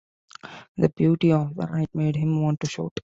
The beauty of the night made him want to shout.